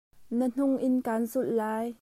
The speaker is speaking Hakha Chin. Na hnung in kan zulh lai.